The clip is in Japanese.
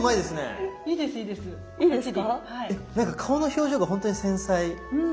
顔の表情が本当に繊細。